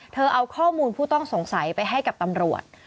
เอาข้อมูลผู้ต้องสงสัยไปให้กับตำรวจ